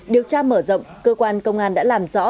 điều tra mở rộng cơ quan công an đã làm rõ